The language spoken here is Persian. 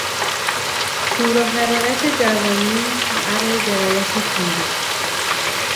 شور و حرارت جوانی و عقل و درایت پیری